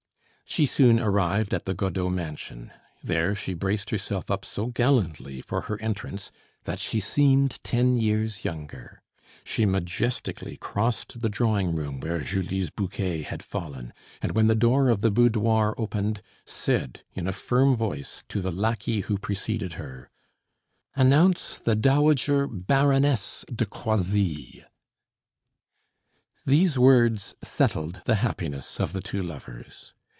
She soon arrived at the Godeau mansion; there, she braced herself up so gallantly for her entrance that she seemed ten years younger. She majestically crossed the drawing room where Julie's bouquet had fallen, and when the door of the boudoir opened, said in a firm voice to the lackey who preceded her: "Announce the dowager Baroness de Croisilles." These words settled the happiness of the two lovers.